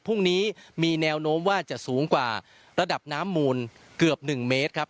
พรุ่งนี้มีแนวโน้มว่าจะสูงกว่าระดับน้ำมูลเกือบ๑เมตรครับ